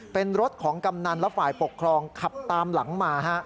เป็นรถของกำนันและฝ่ายปกครองขับตามหลังมา